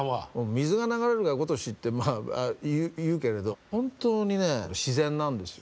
「水が流れるがごとし」ってまあ言うけれど本当にね自然なんですよ。